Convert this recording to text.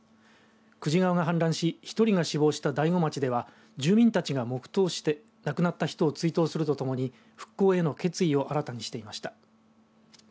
久慈川が氾濫し１人が死亡した大子町では住民たちが黙とうして亡くなった人を追悼するとともに復興への決意を新たにしていました。